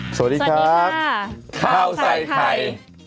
สวัสดีค่ะขาวไซค์ไทย